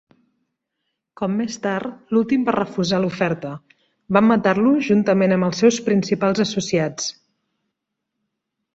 "Com més tard l'últim va refusar l'oferta, van matar-lo juntament amb els seus principals associats."